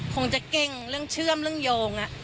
คงจะเก่งเรื่องเชื่อมเรื่องโยง